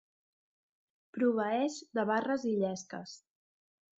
Proveeix de barres i llesques.